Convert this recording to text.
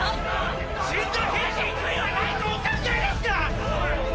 ⁉死んだ兵士に悔いはないとお考えですか